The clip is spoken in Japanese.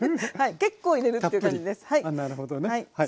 結構入れるという感じです。